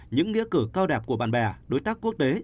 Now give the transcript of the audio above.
những nghĩa cử cao đẹp của bạn bè đối tác quốc tế